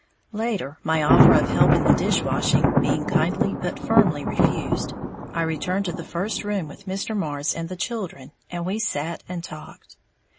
Later, my offer of help in the dish washing being kindly but firmly refused, I returned to the first room with Mr. Marrs and the children, and we sat and talked.